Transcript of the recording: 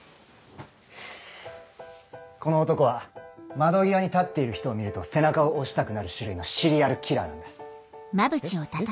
この男は窓際に立っている人を見ると背中を押したくなる種類のシリアルキラーなんだ。